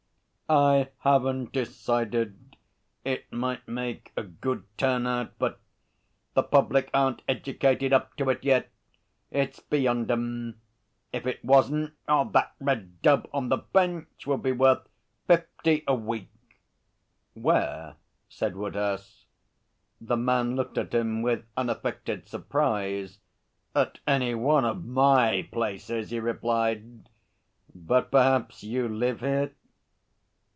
'I haven't decided. It might make a good turn, but the public aren't educated up to it yet. It's beyond 'em. If it wasn't, that red dub on the Bench would be worth fifty a week.' 'Where?' said Woodhouse. The man looked at him with unaffected surprise. 'At any one of My places,' he replied. 'But perhaps you live here?'